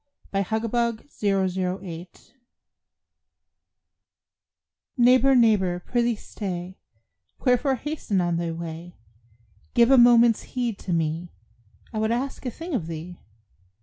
AT THE CLOSE OF THE YEAR Neighbor, neighbor, prithee stay; Wherefore hasten on thy way? Give a moment's heed to me, I would ask a thing of thee.